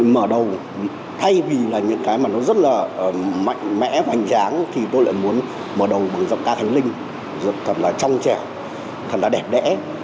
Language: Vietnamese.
mạnh mẽ hoành tráng thì tôi lại muốn mở đầu bằng giọng ca khánh linh thật là trong trẻ thật là đẹp đẽ